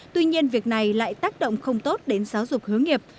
tuy nhiên việc này lại tác động không tốt đến giáo dục hướng nghiệp